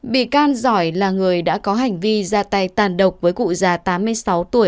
bị can giỏi là người đã có hành vi ra tay tàn độc với cụ già tám mươi sáu tuổi